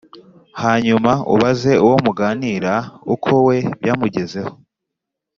hanyuma ubaze uwo muganira uko we byamugezeho